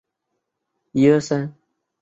索隆多曾在安戈洛坠姆筑巢。